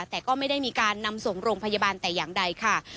แต่ก็ไม่ได้มีการนำส่งโรงพยาบาลแต่อย่างใดค่ะ